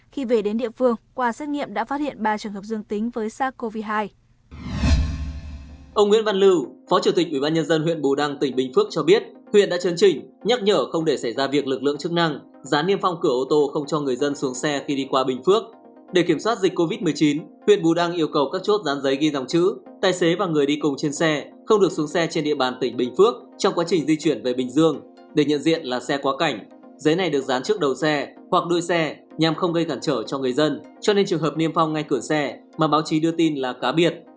khi về đến địa phương qua xét nghiệm đã phát hiện ba trường hợp dương tính với sars cov hai